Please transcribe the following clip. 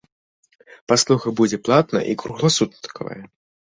Паслуга будзе платная і кругласуткавая.